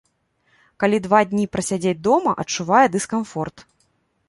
Калі два дні праседзіць дома, адчувае дыскамфорт.